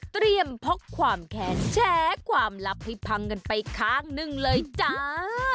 พกความแค้นแชร์ความลับให้พังกันไปข้างหนึ่งเลยจ้า